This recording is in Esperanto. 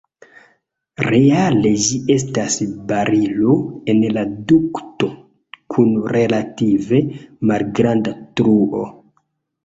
Reale ĝi estas barilo en la dukto kun relative malgranda truo.